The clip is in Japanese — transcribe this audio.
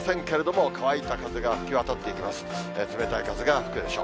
冷たい風が吹くでしょう。